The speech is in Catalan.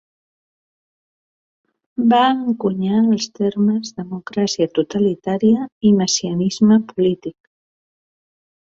Va encunyar els termes "democràcia totalitària" i "messianisme polític".